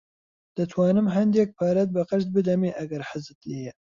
دەتوانم هەندێک پارەت بە قەرز بدەمێ ئەگەر حەزت لێیە.